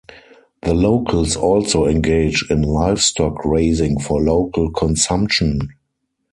The locals also engage in livestock raising for local consumption.